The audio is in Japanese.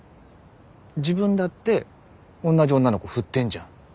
自分だっておんなじ女の子振ってんじゃん。